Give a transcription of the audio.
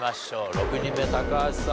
６人目高橋さん